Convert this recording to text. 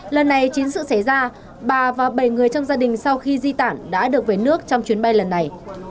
lần này chính sự xảy ra bà và bảy người trong gia đình sau khi di tản đã được về nước trong chuyến bay lần này